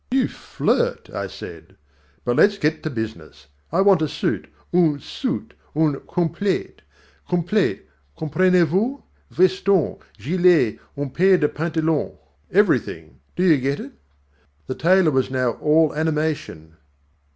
"You flirt!" I said, "but let's get to business. I want a suit, un soot, un complete, complet, comprenez vous, veston, gilet, une pair de panteloon everything do you get it?" The tailor was now all animation.